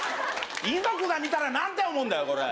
遺族が見たら何て思うんだよ。